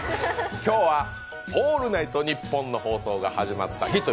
今日は「オールナイトニッポン」の放送が始まった日です。